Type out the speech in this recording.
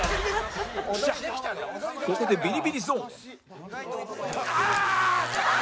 ここでビリビリゾーンああーっ！